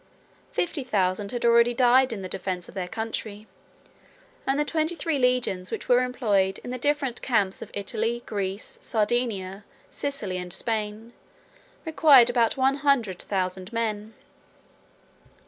9 Fifty thousand had already died in the defence of their country; and the twenty three legions which were employed in the different camps of Italy, Greece, Sardinia, Sicily, and Spain, required about one hundred thousand men.